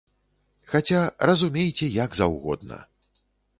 Хаця разумейце як заўгодна.